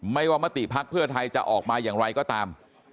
ว่ามติภักดิ์เพื่อไทยจะออกมาอย่างไรก็ตาม